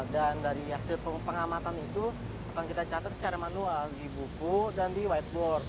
dan dari hasil pengamatan itu akan kita catat secara manual di buku dan di whiteboard